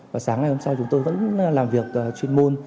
và sáng ngày hôm sau chúng tôi vẫn làm việc chuyên môn